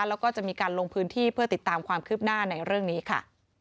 แล้วก็จะมีการลงพื้นที่เพื่อติดตามความคืบหน้าในเรื่องนี้ค่ะ